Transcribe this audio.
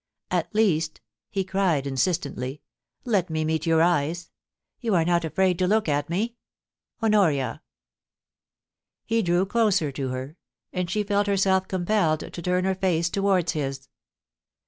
At least,' he cried insistently, * let me meet your eyes ... You are not afraid to look at me ? Honoria ' He drew closer to her, and she felt herself compelled to turn her face towards his.